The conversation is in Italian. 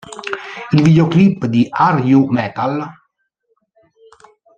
Il videoclip di "Are You Metal?